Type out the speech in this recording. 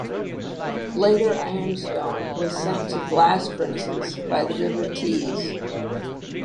Later ironstone was sent to blast furnaces by the River Tees.